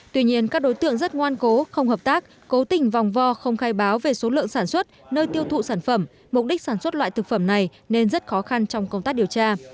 tuy nhiên các đối tượng rất ngoan cố không hợp tác cố tình vòng vo không khai báo về số lượng sản xuất nơi tiêu thụ sản phẩm mục đích sản xuất loại thực phẩm này nên rất khó khăn trong công tác điều tra